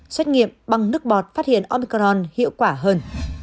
xét nghiệm bằng nước bọt phát hiện omicron hiệu quả hơn